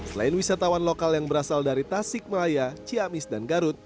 selain wisatawan lokal yang berasal dari tasik malaya ciamis dan garut